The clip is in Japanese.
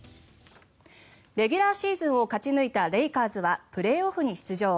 レギュラーシーズンを勝ち抜いたレイカーズはプレーオフに出場。